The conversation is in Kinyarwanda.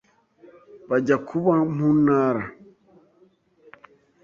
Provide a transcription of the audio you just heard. bajya kuba mu Ntara.